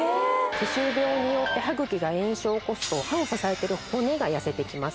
歯周病によって歯茎が炎症を起こすと歯を支えてる骨がやせてきます。